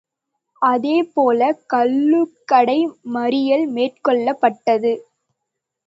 அதே போலக் கள்ளுக்கடை மறியல் மேற்கொள்ளப்பட்டது.